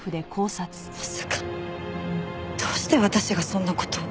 まさかどうして私がそんな事を？